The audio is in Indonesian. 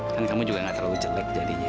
kan kamu juga gak terlalu jelek jadinya